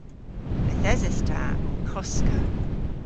Yth eses ta ow koska.